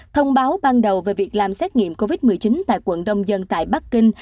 thông báo ban đầu về việc làm xét nghiệm covid một mươi chín tại quận đông dân tại bắc kinh